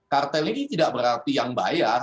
kartel ini tidak berarti yang bayar